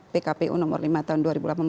pkpu nomor lima tahun dua ribu delapan belas